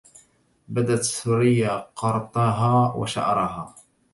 بدت ثريا قرطها وشعرها